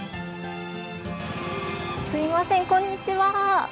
すいません、こんにちは。